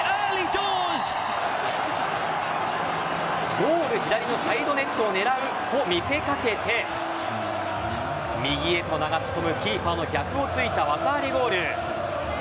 ゴール左のサイドネットを狙うと見せかけて右へと流し込むキーパーの逆を突いた技ありゴール。